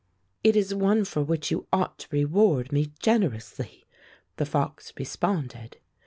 "It is one for which you ought to reward me generously," the fox responded.